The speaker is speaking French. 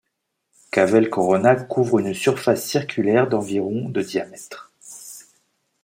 Cavell Corona couvre une surface circulaire d'environ de diamètre.